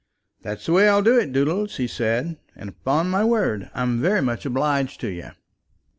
"That's the way I'll do it, Doodles," he said, "and upon my word I'm very much obliged to you."